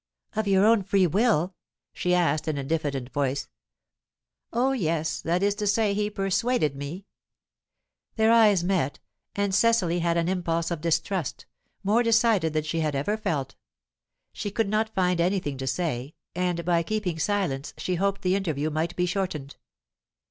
"Of your own free will?" she asked, in a diffident voice. "Oh yes. That is to say, he persuaded me." Their eyes met, and Cecily had an impulse of distrust, more decided than she had ever felt. She could not find anything to say, and by keeping silence she hoped the interview might be shortened.